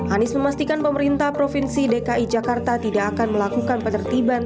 anies memastikan pemerintah provinsi dki jakarta tidak akan melakukan penertiban